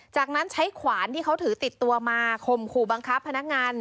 จากนั้นใช้ขวานที่เขาถือติดตัวมาข่มขู่บังคับพนักงาน